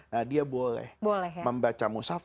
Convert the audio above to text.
nah dia boleh membaca musaf